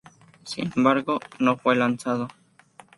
Sin embargo, no fue lanzado.